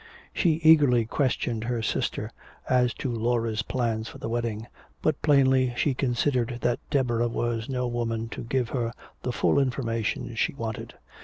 She eagerly questioned her sister as to Laura's plans for the wedding, but plainly she considered that Deborah was no woman to give her the full information she wanted.